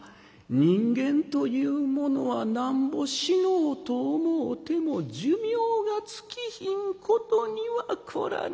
人間というものはなんぼ死のうと思うても寿命が尽きひんことにはこらぁ